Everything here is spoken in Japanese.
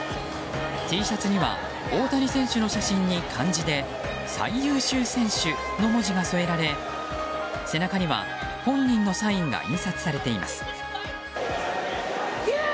Ｔシャツには大谷選手の写真に漢字で最優秀選手の文字が添えられ背中には本人のサインが印刷されています。